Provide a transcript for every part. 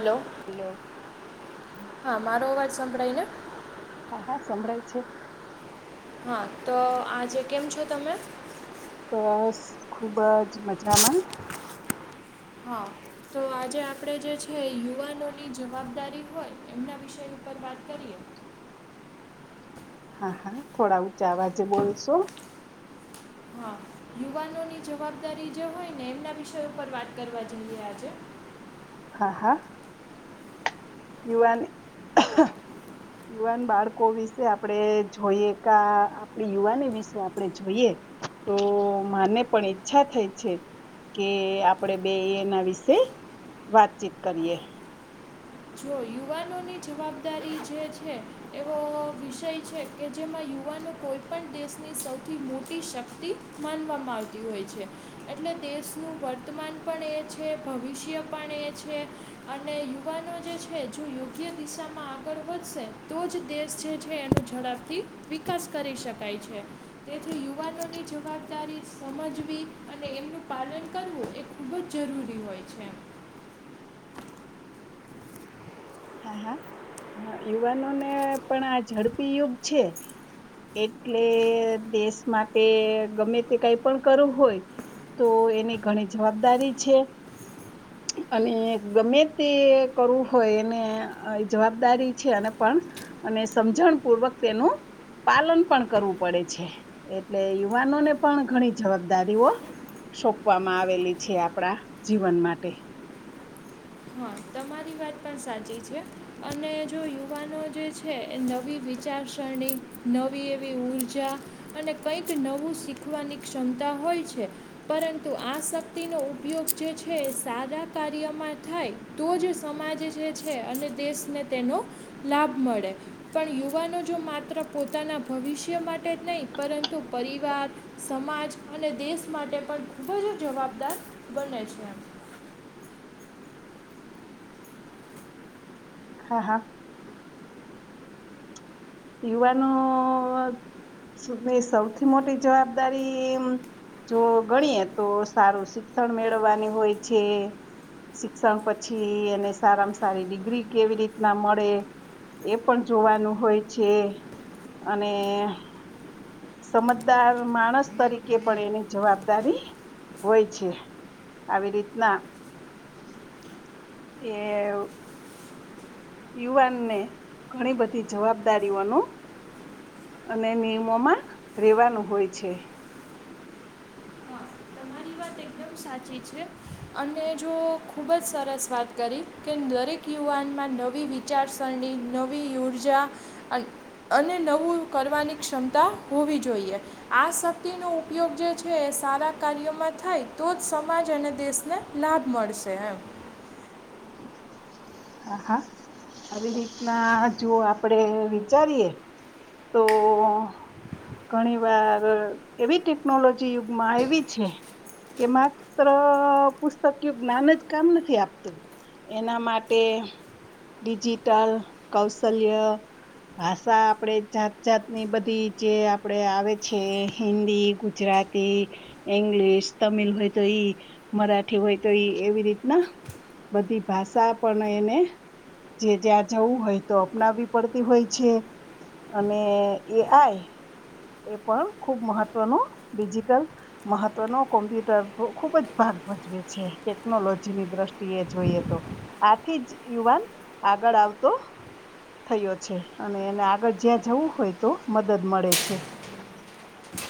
Hello. Hello. હા મારો અવાજ સંભળાય ને? હા હા સંભળાય છે. હા તો આજે કેમ છો તમે? બસ ખુબ જ મજામાં. હા. તો આજે આપણે જે છે યુવાનોની જવાબદારી હોય એમના વિષય ઉપર વાત કરીએ. હા હા થોડા ઊંચા અવાજે બોલશો. હા યુવાનોની જવાબદારી જે હોય ને એમના વિષય ઉપર વાત કરવા જઈએ આજે. હા હા. યુવાની યુવાન બાળકો વિશે આપડે જોઈએ કા યુવાની વિશે આપડે જોઈએ, તો માને પણ ઈચ્છા થઈ છે. કે આપડે બે એના વિશે વાતચીત કરીએ. જો યુવાનોની જવાબદારી જે છે. એવો વિષય છે કે જેમાં યુવાનો કોઈ પણ દેશની સૌથી મોટી શક્તિ. માનવામાં આવતી હોય છે. એટલે દેશનું વર્તમાન પણ એ છે ભવિષ્ય પણ એ છે. અને યુવાનો જે છે યોગ્ય દિશામાં આગળ વધશે, તો જ દેશ જે છે એનું ઝડપથી વિકાસ કરી શકાય છે, તેથી યુવાનોની જવાબદારી સમજવી અને એમનું પાલન કરવું એ ખૂબ જ જરૂરી હોય છે. હા હા, યુવાનો ને પણ આ ઝડપી યુગ છે. એટલે દેશ માટે ગમે તે કાઈ પણ કરવું હોય. તો એની ઘણી જવાબદારી છે. અને ગમે તે કરવું હોય એને જવાબદારી છે, અને પણ, અને સમજણ પૂર્વક તેનું પાલન પણ કરવું પડે છે, એટલે યુવાનોને પણ ઘણી જવાબદારીઓ સોંપવામાં આવેલી છે આપણા જીવન માટે. હ તમારી વાત પણ સાચી છે. અને જો યુવાનો જે છે એ નવી વિચારસરણી નવી એવી ઊર્જા. અને કંઈક નવું શીખવાની ક્ષમતા હોય છે. પરંતુ આ શક્તિનો ઉપયોગ જે છે સાદા કાર્યમાં થાય તો જ સમાજ જે છે અને દેશને તેનો, લાભ મળે. પણ યુવાનો જો માત્ર પોતાના ભવિષ્ય માટે જ નહીં પરંતુ પરિવાર. સમાજ અને દેશ માટે પણ ખૂબ જ જવાબદાર બને છે. હા હા. યુવાનોની સૌથી મોટી જવાબદારી જો ગણીએ તો સારું શિક્ષણ મેળવાની હોય છે. શિક્ષણ પછી એને સારામાં સારી ડિગ્રી કેવી રીતના મળે. એ પણ જોવાનું હોય છે, અને સમજદાર માણસ તરીકે પણ એની જવાબદારી હોય છે. આવી રીતના એ યુવાનને ઘણી બધી જવાબદારીઓનું અને નિયમોમાં રહેેવાનું હોય છે. હા તમારી વાત એકદમ સાચી છે. અને જો ખુબ જ સરસ વાત કરી કે દરેક યુવાનમાં નવી વિચારસરણીની નવી ઉર્જા, અ અને નવું કરવાની ક્ષમતા હોવી જોઈએ. આ શક્તિનો ઉપયોગ જે છે એ સારા કાર્યોમાં થાય. તો જ સમાજ અને દેશને લાભ મળશે એમ. હા હા, આવી રીતના જો આપડે વિચારીએ. તો ઘણી વાર એવી ટેકનોલોજી યુગમાં આવી છે. કે માત્ર પુસ્તક જ્ઞાન જ કામ નથી આપતું એના માટે તે ડિજીટલ કૌશલ્ય ભાષા આપણે જાત જાતની બધી જે આપણે આવે છે હિન્દી ગુજરાત તી ઈંગ્લિશ તમિલ હોય તો ઈ મરાઠી હોય તો ઈ એવી રીતના બધી ભાષા પણ એને જે જ્યાં જવું હોય તો અપનાવવી પડતી હોય છે. અને એ આય. એ પણ ખુબ મહત્વનું ડિજિટલ મહત્વનો કોમ્પ્યુટર નુ ખુબ જ ભાગ ભજવે છે ટેકનોલોજીની દ્રષ્ટિ ટી એ જોઈએ તો આથી જ યુવાન આગળ આવતો થયો છે અને એને આગળ જ્યાં જવું હોય તો મદદ મળે છે.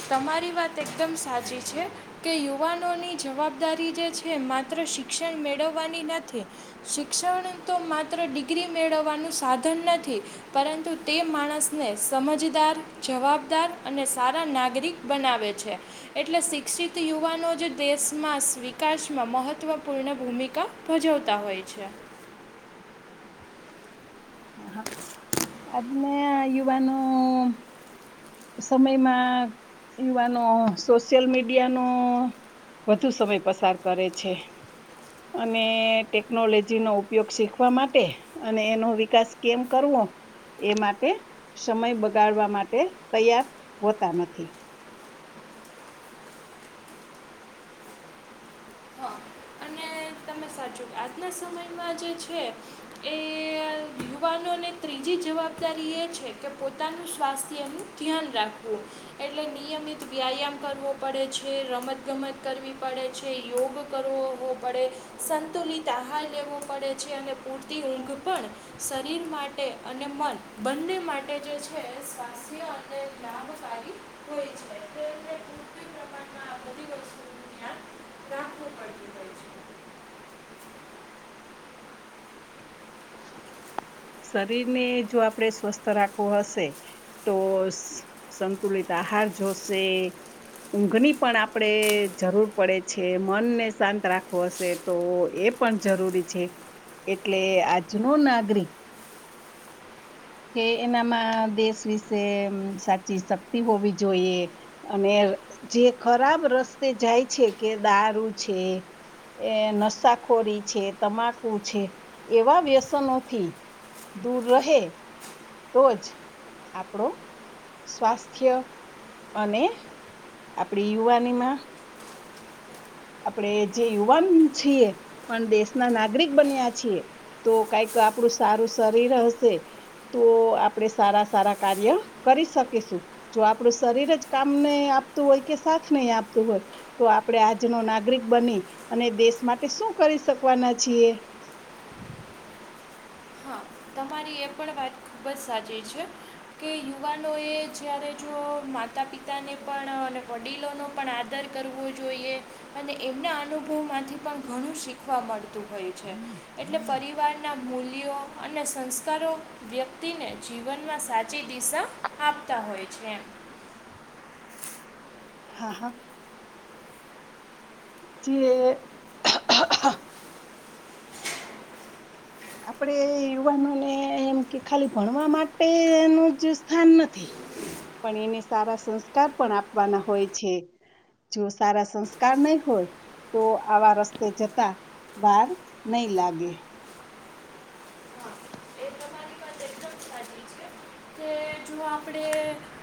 તમારી વાત એકદમ સાચી છે. કે યુવાનોની જવાબદારી જે છે માત્ર શિક્ષણ મેળવવાની નથી. શિક્ષણ તો માત્ર ડિગ્રી મેળવવાનું સાધન નથી. પરંતુ તે માણસને સમજદાર જવાબદાર અને સારા નાગ નાગરિક બનાવે છે. એટલે શિક્ષિત યુવાનો જ દેશમાં વિકાસમાં મહત્વપૂર્ણ ભૂમિકા ભજવતા હોય છે. હા. અદને યુવાનો સમયમાં યુવાનો સોશિયલ મીડિયાનો વધુ સમય પસાર કરે છે. અને ટેકનોલોજીનો ઉપયોગ શીખવા માટે અને એનો વિકાસ કેમ કરવો એ માટે સમય બગાડવા માટે તૈયાર હોતા નથી. હા અને તમે સાચું આજના સમયમાં જે છે. એ યુવાનોને ત્રીજી જવાબદારી એ છે કે પોતાનું સ્વાસ્થ્યનું ધ્યાન રાખવુ. એટલે નિયમિત વ્યાયામ કરવો પડે છે રમત ગમત કરવી પડે છે યોગ કરવોવો પડે સંતુલિત આહાર લેવો પડે છે અને પૂરતી ઊંઘ પણ શરીર માટે અને મન બંને માટે જે છે સ્વાસ્થ્ય અને લાભકારી હોય છે તેમને [unintelligible] [inaudible] ધ્યાન રાખવું પડતું હોય છે શરીર ને જો આપણેે સ્વસ્થ રાખવું હશે. ટોસ સંતુલિત આહાર જોશે. ઊંઘની પણ આપડણે જરૂર પડે છે મનને શાંત રાખવો હશે. તો એ પણ જરૂરી છે એટલે આજનો નાગરિક કે એનામાં દેશ વિશે સાચી શક્તિ હોવી જોઈએ. અને જે ખરાબ રસ્તે જાય છે કે દારૂ છે. એ નસાખોરી છે તમાકુ છે એવા વ્યસનોથી દૂર રહે તો જ આપણો સ્વાસ્થ્ય અને આપણી યુવાની માં આપણેે જે યુવાન છીએ પણ દેશના નાગરિક બન્યા છીએ. તો કઈક આપડું સારું શરીર હશે. તો આપણેે સારા સારા કાર્ય કરી શકીશું. જો આપણું શરીર જ કામ ન આપતું હોય કે સાથ નહી આપતું હોય તો આપડણે આજ જેનો નાગરિક બની અને દેશ માટે શું કરી શકવાના છીએ. હા તમારી એ પણ વાત ખૂબ જ સાચી છે. કે યુવાનો એ જ્યારે જો માતા પિતાને પણ અને વડીલોનો પણ આદર કરવું જોઈએ અને એમના અનુભવમાંથી પણ ઘણું શીખવા મળતું હોય છે. એટલે પરિવારના મૂલ મૂલ્ય અને સંસ્કારો વ્યક્તિને જીવનમાં સાચી દિશા આપતા હોય છે. હા હા. કે આપણેે યુવાનોને એમ કે ખાલી ભણવા માટેનું જ સ્થાન નથી. પણ એને સારા સંસ્કાર પણ આપવાના હોય છે. જો સારા સંસ્કાર નય હોય તો આવા રસ્તે જતા વાર નય લાગે. હા એ તમારી વાત એકદમ તો આપણે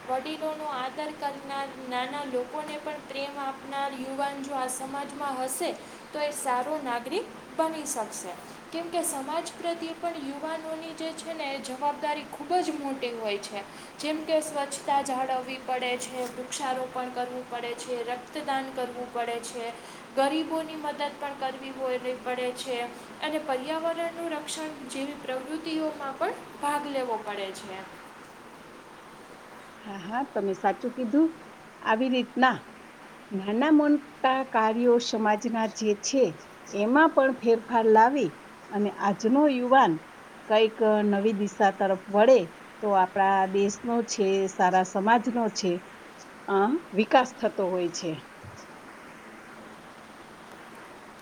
વડીલો નો આદર કરનાર નાના લોકોને પણ પ્રેમ આપનાર યુવાન જો આ સમાજ માં વશે તો એ સારો નાગરિક બની શકશે. કેમકે સમાજ પ્રત્યે પણ યુવાનોની જે છે ને એ જવાબદારી ખૂબ જ મોટી હોય છે. જેમ કે સ્વચ્છતા જાળવવી પડે છે, વૃક્ષારોપણ કરવું પડે છે. રક્ત રક્તદાન કરવું પડે છે, ગરીબોની મદદ પણ કરવી હોય પડે છે. અને પર્યાવરણનું રક્ષણ જેવી પ્રવૃત્તિઓમાં પણ ભાગ લેવો પડે છે. હા હા તમે સાચું કીધું આવી રીતના નાના મોટા કાર્યો સમાજના જે છે એમાં પણ ફેરફાર લાવી અને આજનો યુવાન કઈક નવી દિશા તરફ વળે તો આપણા દેશ નું છે સારા સમાજનો છે અ વિકાસ થતો હોય છે.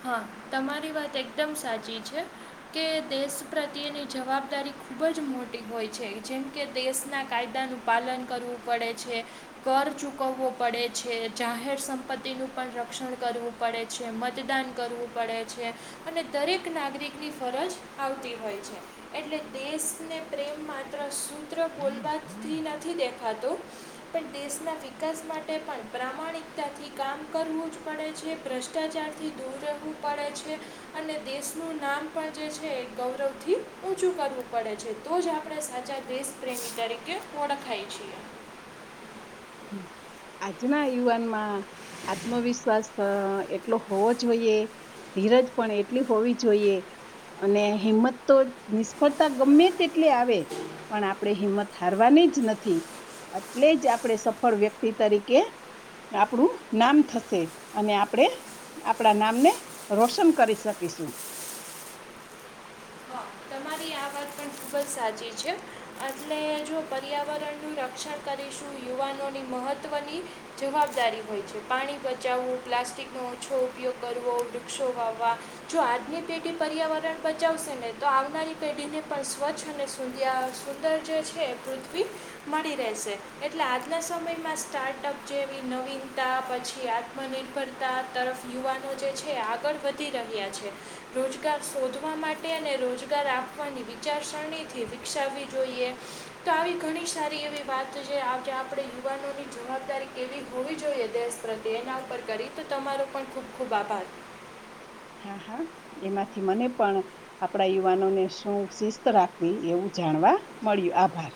હા તમારી વાત એકદમ સાચી છે. કે દેશ પ્રત્યેની જવાબદારી ખુબ જ મોટી હોય છે જેમ કે દેશના કાયદાનું પાલન કરવું પડે છે. કર ચૂકવવો પડે છે, જાહેર સંપત્તિનું પણ રક્ષણ કરવું પડે છે, મતદાન કરવું પડે છે અને દરેક નાગરિકની ફરજ આવતી હોય છે. એટલે દેશને પ્રેમ માત્ર સૂત્ર બોલવાથી નથી દેખાતો પણ દેશના વિકાસ માટે પણ પ્રામાણિકતાથી કામ કરવું જ પડે છે, ભ્રષ્ટાચાર થી રહેવું પડે છે. અને દેશનું નામ પણ જે છે એ ગૌરવ થી ઊંચું કરવું પડે છે. તો જ આપણે સાચા દેશપ્રેમી તરીકે ઓળખાય છીએ. હમમ આજના યુવાન માં આત્મવિશ્વાસ એટલો હોવો જોઈએ ધીરજ પણ એટલી હોવી જોઈએ અને હિંમત તો નિષ્ફળતા ગમે તેટલી આવે પણ આપણે હિંમત હારવાની જ નથી એટલે જ આપણે સ સફળ વ્યક્તિ તરીકે આપણું નામ થશે અને આપણેે આપણા નામને રોશન કરી શકીશું. હા તમારી આ વાત પણ તો સાચી છે. એટલે જો પર્યાવરણનું રક્ષણ કરીશું યુવાનોની મહત્વની જવાબદારી હોય છે. પાણી બચાવવું, પ્લાસ્ટિકનો ઓછો ઉપયોગ કરવો, વૃક્ષો વાવવા જો આજની પેઢી પર્યાવરણ બચાવશે ને તો આવનારી પેઢીને પણ સ્વચ્છ અને સુયા સુંદર જે છે પૃથ્વી મળી રહેશે એટલે આજના સમયમાં સ્ટાર્ટઅપ જેવી નવીનતા પછી આત્મનિર્ભરતા તરફ યુવાનો જે છે આગળ વધી રહ્યા છે. રોજગાર શોધવા માટે અને રોજગાર આપવાની વિચાર સ શણીથી વિકસાવી જોઈએ. તો આવી ઘણી સારી એવી વાત જે આજે આપડે યુવાનોની જવાબદારી કેવી હોવી જોઈએ દેશ પ્રત્યે એના ઉપર કરી તો તમારો પણ ખૂબ ખૂબ આભાર હા હા એમાંથી મને પણ આપડા યુવાનોને શું શિસ્ત રાખવી એવું જાણવા મળ્યું આભાર.